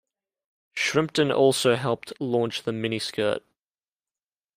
Shrimpton also helped launch the miniskirt.